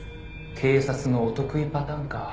「警察のお得意パターンか」